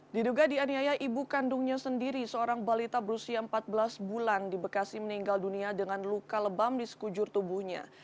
diduga dianiaya ibu kandungnya sendiri seorang balita berusia empat belas bulan di bekasi meninggal dunia dengan luka lebam di sekujur tubuhnya